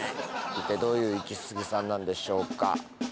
一体どういうイキスギさんなんでしょうか？